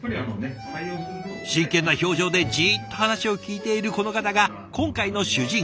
真剣な表情でじっと話を聞いているこの方が今回の主人公。